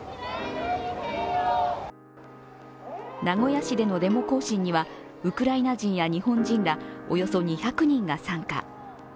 名古屋市でのデモ行進にはウクライナ人や日本人らおよそ２００人が参加。